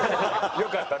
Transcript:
よかったね。